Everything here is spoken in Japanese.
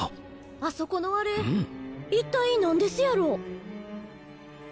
あそこのあれ一体何ですやろ？